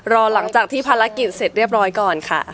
รอหลังจากที่ภารกิจเสร็จเรียบร้อยก่อนค่ะ